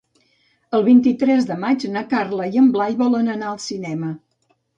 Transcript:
El vint-i-tres de maig na Carla i en Blai volen anar al cinema.